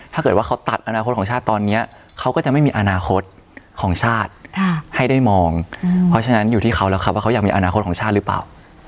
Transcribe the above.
ถ้าเกิดว่าเขาตัดอนาคตของชาติตอนนี้เขาก็จะไม่มีอนาคตของชาติให้ได้มองเพราะฉะนั้นอยู่ที่เขาแล้วครับว่าเขาอยากมีอนาคตของชาติหรือเปล่า